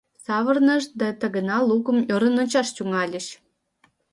Савырнышт да тагына лукым ӧрын ончаш тӱҥальыч.